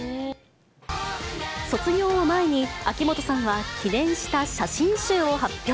卒業を前に、秋元さんは記念した写真集を発表。